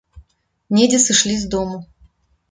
Недзе сышлі з дому.